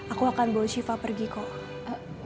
aku akan bawa shiva pergi kok